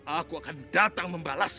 aku akan datang membalasmu